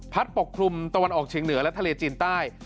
ปกคลุมตะวันออกเฉียงเหนือและทะเลจีนใต้